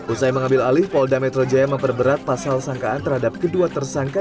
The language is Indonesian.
usai mengambil alih paul dametrojaya memperberat pasal sangkaan terhadap kedua tersangka